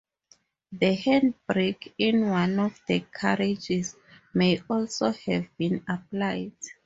The handbrake in one of the carriages may also have been applied.